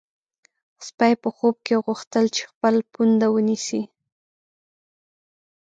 سپی په خوب کې غوښتل چې خپل پونده ونیسي.